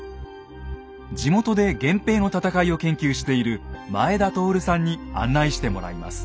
地元で源平の戦いを研究している前田徹さんに案内してもらいます。